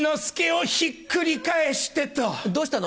どうしたの？